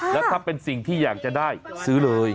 แล้วถ้าเป็นสิ่งที่อยากจะได้ซื้อเลย